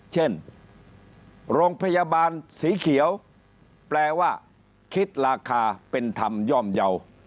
เช่นโรงพยาบาลสีเขียวแปลว่าคิดราคาเป็นธรรมย่อมเยาว์